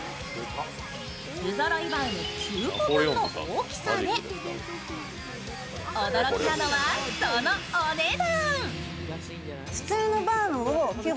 不揃いバウム９個分の大きさで、驚きなのはそのお値段。